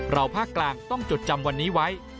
ภาคกลางต้องจดจำวันนี้ไว้